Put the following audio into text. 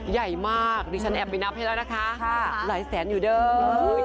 ใหญ่มากดิฉันแอบไปนับให้แล้วนะคะหลายแสนอยู่เด้อ